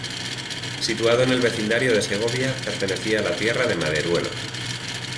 Situado en el Vecindario de Segovia, pertenecía a la Tierra de Maderuelo.